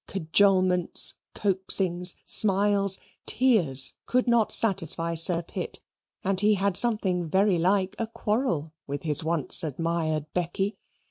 Cajolements, coaxings, smiles, tears could not satisfy Sir Pitt, and he had something very like a quarrel with his once admired Becky.